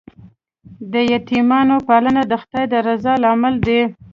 د یتیمانو پالنه د خدای د رضا لامل دی.